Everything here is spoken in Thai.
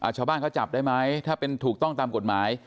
ชาวบ้านเขาจับได้ไหมถ้าเป็นถูกต้องตามกฎหมาย